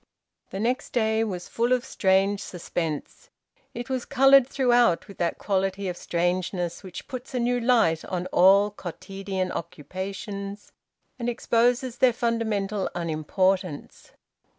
The next day was full of strange suspense; it was coloured throughout with that quality of strangeness which puts a new light on all quotidian occupations and exposes their fundamental unimportance.